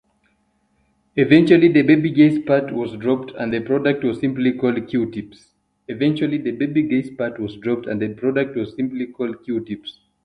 Eventually the Baby Gays part was dropped and the product was simply called Q-Tips.